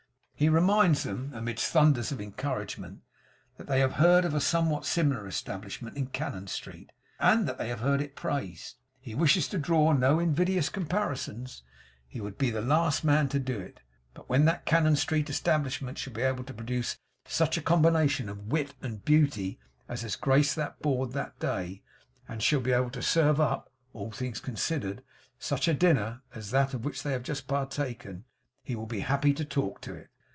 He reminds them, amidst thunders of encouragement, that they have heard of a somewhat similar establishment in Cannon Street; and that they have heard it praised. He wishes to draw no invidious comparisons; he would be the last man to do it; but when that Cannon Street establishment shall be able to produce such a combination of wit and beauty as has graced that board that day, and shall be able to serve up (all things considered) such a dinner as that of which they have just partaken, he will be happy to talk to it.